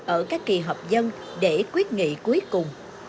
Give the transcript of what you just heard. ở các kỳ họp dân để quyết nghị cuối cùng